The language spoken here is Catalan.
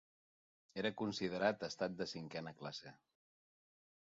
Era considerat estat de cinquena classe.